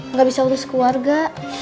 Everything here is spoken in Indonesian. nggak bisa urus keluarga